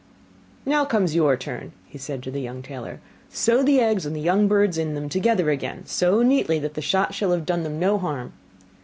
'Now comes your turn,' said he to the young tailor; 'sew the eggs and the young birds in them together again, so neatly that the shot shall have done them no harm.